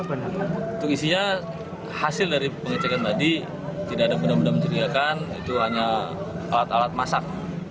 untuk isinya hasil dari pengecekan tadi tidak ada benda benda mencurigakan itu hanya alat alat masak